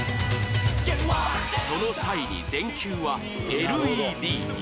その際に電球は ＬＥＤ に